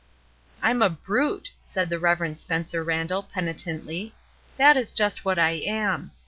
'' ''I'm a brute!" said the Rev. Spencer Randall, penitently, ''that is just what I am.